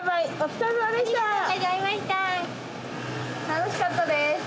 楽しかったです！